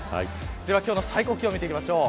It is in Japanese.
では今日の最高気温を見てきましょう。